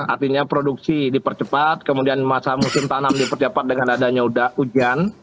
artinya produksi dipercepat kemudian masa musim tanam dipercepat dengan adanya hujan